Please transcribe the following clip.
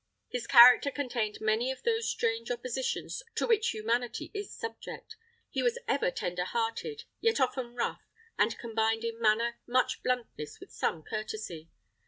His character contained many of those strange oppositions to which humanity is subject; he was ever tender hearted, yet often rough, and combined in manner much bluntness with some courtesy.